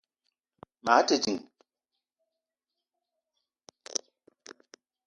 Maa te ding